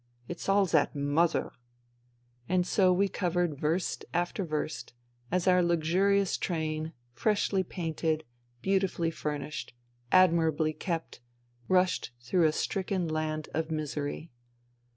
It's all that mother !" And so we covered verst after verst, as our luxu rious train, freshly painted, beautifully furnished, admirably kept, rushed through a stricken land of misery.